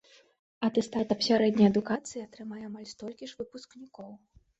Атэстат аб сярэдняй адукацыі атрымае амаль столькі ж выпускнікоў.